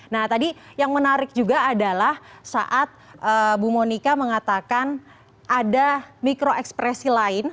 nah tadi yang menarik juga adalah saat bu monika mengatakan ada mikro ekspresi lain